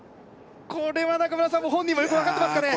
これは中村さん本人もよく分かってますかね